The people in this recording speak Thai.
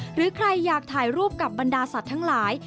หรือใครอยากถ่ายรูปกับบรรดาสัตว์ทั้งหลาย